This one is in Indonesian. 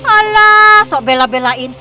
alah sok bela belain